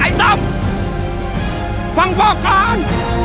ไอ้ต้มฟังพ่อก่อน